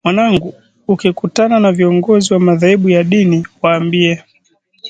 Mwanangu, ukikutana na viongozi wa madhehebu ya dini, waambie